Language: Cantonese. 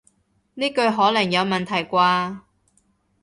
呢句可能有問題啩